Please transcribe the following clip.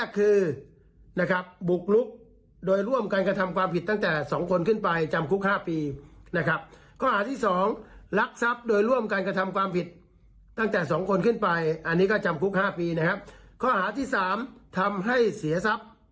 คะหาที่๓ทำให้เสียทรัพย์